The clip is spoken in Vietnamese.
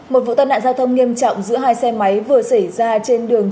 một vụ tai nạn giao thông nghiêm trọng giữa hai xe máy vừa xảy ra trên đường